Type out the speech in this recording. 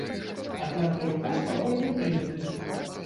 Аднак той указ пакуль не прыняты.